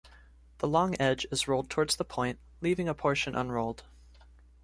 The long edge is rolled towards the point, leaving a portion unrolled.